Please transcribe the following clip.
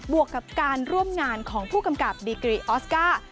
วกกับการร่วมงานของผู้กำกับดีกรีออสการ์